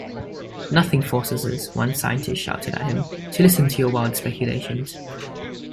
"Nothing forces us," one scientist shouted at him, "to listen to your wild speculations.